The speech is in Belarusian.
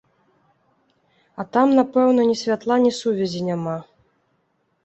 А там, напэўна, ні святла, ні сувязі няма.